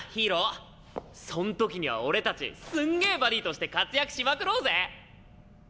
そん時には俺たちすんげぇバディとして活躍しまくろうぜ！